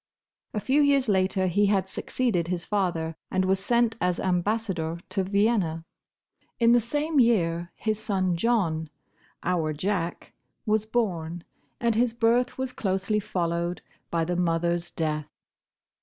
A few years later he had succeeded his father, and was sent as Ambassador to Vienna. In the same year his son John—our Jack—was born, and his birth was closely followed by the mother's death.